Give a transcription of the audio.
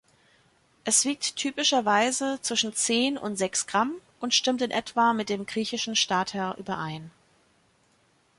Es wiegt typischerweise zwischen zehn und sechs Gramm und stimmt in etwa mit dem griechischen Stater überein.